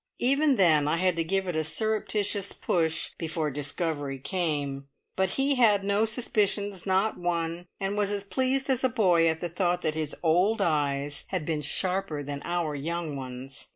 Even then I had to give, it a surreptitious push before discovery came; but he had no suspicions, not one, and was as pleased as a boy at the thought that his old eyes had been sharper than our young ones.